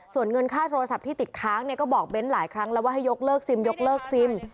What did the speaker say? ส่วนเงินค่าโทรศัพท์ที่ติดค้างเนี่ยก็บอกเน้นหลายครั้งแล้วว่าให้ยกเลิกซิมยกเลิกซิม